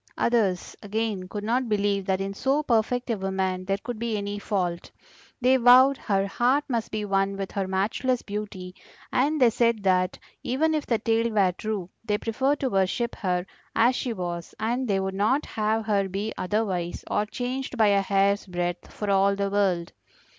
Others, again, could not believe that in so perfect a woman there could be any fault; they vowed her heart must be one with her matchless beauty, and they said that even if the tale were true, they preferred to worship her as she was, and they would not have her be otherwise or changed by a hair's breadth for all the world.